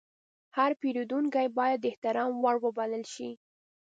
هر پیرودونکی باید د احترام وړ وبلل شي.